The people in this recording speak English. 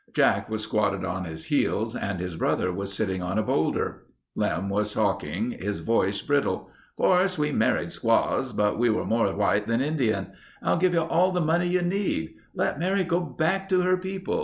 Jack was squatted on his heels and his brother was sitting on a boulder. Lem was talking, his voice brittle: "Of course, we married squaws ... but we are more white than Indian. I'll give you all the money you need. Let Mary go back to her people.